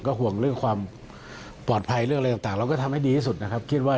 ห่วงเรื่องความปลอดภัยเรื่องอะไรต่างเราก็ทำให้ดีที่สุดนะครับคิดว่า